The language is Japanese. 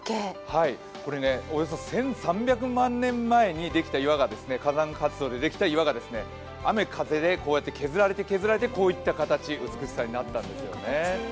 およそ１３００万年前に火山活動でできた岩が雨・風でこうやって削られて削られてこういった形、美しさになったんですよね。